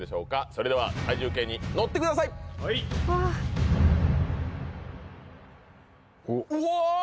それでは体重計に乗ってくださいはいうぉ